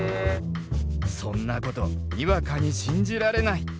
そんなことにわかに信じられない。